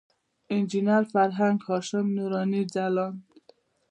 انجینر فرهنګ، هاشم نوراني، ځلاند.